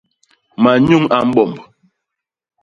Manyuñ a mbomb.